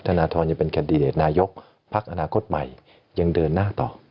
ธนทรยังเป็นแคนดิเดตนายกพักอนาคตใหม่ยังเดินหน้าต่อ